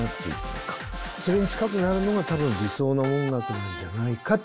それに近くなるのが多分理想の音楽なんじゃないかと。